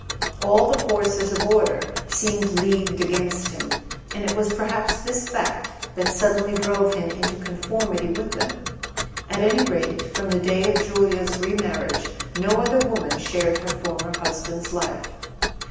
All the forces of order seemed leagued against him; and it was perhaps this fact that suddenly drove him into conformity with them. At any rate, from the day of Julia's remarriage no other woman shared her former husband's life.